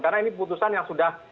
karena ini putusan yang sudah